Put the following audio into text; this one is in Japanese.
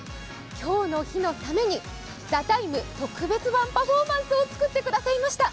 今日の日のために「ＴＨＥＴＩＭＥ，」特別版パフォーマンスを作ってくださいました。